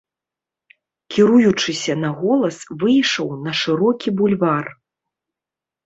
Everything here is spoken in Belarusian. Кіруючыся на голас, выйшаў на шырокі бульвар.